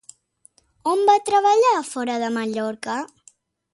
On va treballar fora de Mallorca?